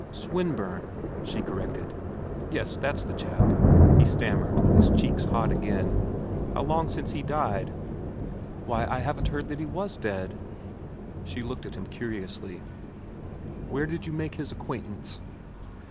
"Swinburne," she corrected. "Yes, that's the chap," he stammered, his cheeks hot again. "How long since he died?" "Why, I haven't heard that he was dead." She looked at him curiously. "Where did you make his acquaintance?"